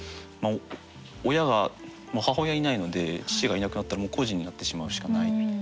親が母親いないので父がいなくなったらもう孤児になってしまうしかない。